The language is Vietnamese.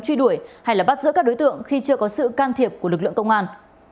truy đuổi hay bắt giữ các đối tượng khi chưa có sự can thiệp của lực lượng công an